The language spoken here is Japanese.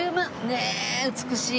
ねえ美しい。